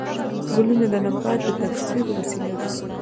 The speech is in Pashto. ګلونه د نبات د تکثیر وسیله ده